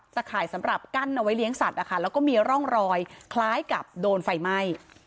ข่ายสำหรับกั้นเอาไว้เลี้ยงสัตว์นะคะแล้วก็มีร่องรอยคล้ายกับโดนไฟไหม้